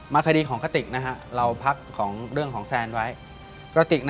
มาคดีของกะติกนะฮะเราพักของเรื่องของแซนไว้